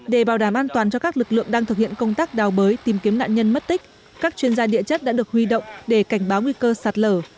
để bảo đảm an toàn cho các lực lượng đang thực hiện công tác đào bới tìm kiếm nạn nhân mất tích các chuyên gia địa chất đã được huy động để cảnh báo nguy cơ sạt lở